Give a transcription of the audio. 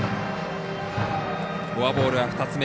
フォアボールは２つ目。